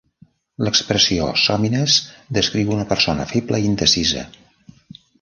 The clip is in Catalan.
L'expressió "sòmines" descriu una persona feble i indecisa.